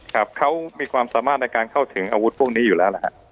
ครับเขามีความสามารถในการเข้าถึงอาวุธพวกนี้อยู่แล้วนะฮะ